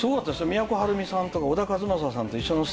都はるみさんとか小田和正さんと一緒のステージ